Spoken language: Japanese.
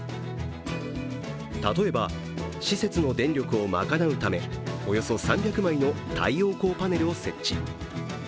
例えば施設の電力を賄うためおよそ３００枚の太陽光パネルを設置